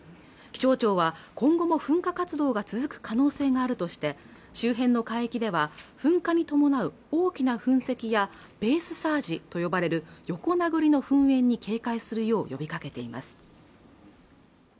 気象庁は今後も噴火活動が続く可能性があるとして周辺の海域では噴火に伴う大きな噴石やベースサージと呼ばれる横殴りの噴煙に警戒するよう呼びかけています